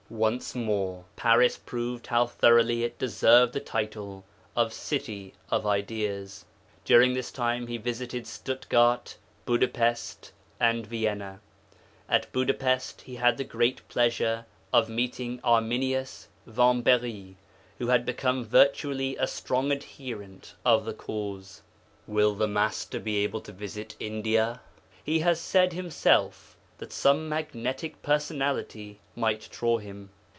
Once more Paris proved how thoroughly it deserved the title of 'city of ideas.' During this time He visited Stuttgart, Budapest, and Vienna. At Budapest He had the great pleasure of meeting Arminius Vambery, who had become virtually a strong adherent of the cause. Will the Master be able to visit India? He has said Himself that some magnetic personality might draw Him.